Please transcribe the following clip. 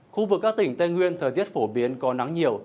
khu vực các tỉnh tây nguyên thời tiết phổ biến có nắng nhiều